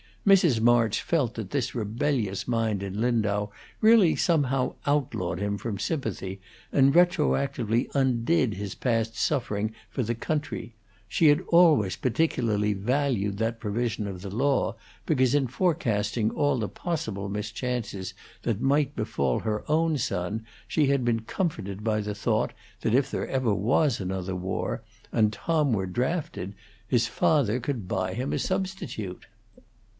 Mrs. March felt that this rebellious mind in Lindau really somehow outlawed him from sympathy, and retroactively undid his past suffering for the country: she had always particularly valued that provision of the law, because in forecasting all the possible mischances that might befall her own son, she had been comforted by the thought that if there ever was another war, and Tom were drafted, his father could buy him a substitute.